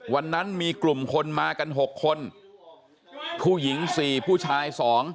วันนั้นมีกลุ่มคนมากัน๖คนผู้หญิง๔ผู้ชาย๒